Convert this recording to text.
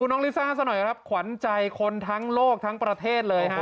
น้องลิซ่าซะหน่อยครับขวัญใจคนทั้งโลกทั้งประเทศเลยฮะ